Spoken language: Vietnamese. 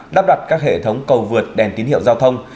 đắp đặt các hệ thống cầu vượt đèn tín hiệu giao thông